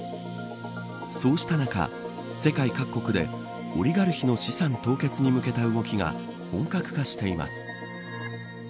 そうした中、世界各国でオリガルヒの資産凍結に向けた動きが本格化しています。